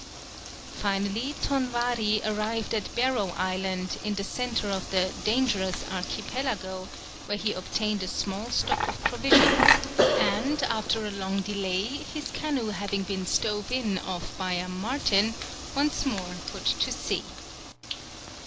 Finally Ton Wari arrived at Barrow Island in the centre of the Dangerous Archipelago, where he obtained a small stock of provisions, and after a long delay, his canoe having been stove in off Byam Martin, once more put to sea.